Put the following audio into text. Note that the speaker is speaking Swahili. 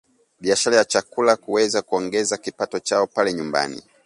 biashara ya chakula kuweza kuongeza kipato chao pale nyumbani